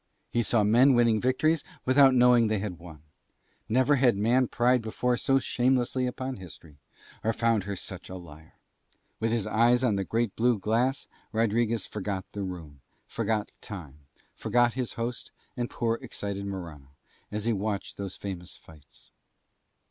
He saw men winning victories without knowing they had won. Never had man pried before so shamelessly upon History, or found her such a liar. With his eyes on the great blue glass Rodriguez forgot the room, forgot time, forgot his host and poor excited Morano, as he watched those famous fights.